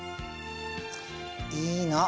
いいの。